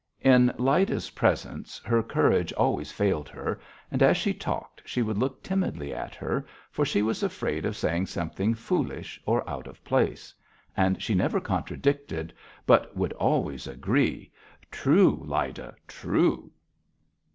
In Lyda's presence her courage always failed her, and as she talked she would look timidly at her, for she was afraid of saying something foolish or out of place: and she never contradicted, but would always agree: "True, Lyda, true."